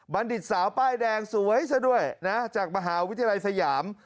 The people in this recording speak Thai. ดิตสาวป้ายแดงสวยซะด้วยนะจากมหาวิทยาลัยสยาม